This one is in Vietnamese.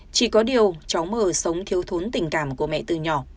chỉ có điều cháu mờ sống thiếu thốn tình cảm của mẹ từ nhỏ